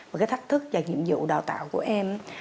và cái thách thức và nhiệm vụ đào tạo của em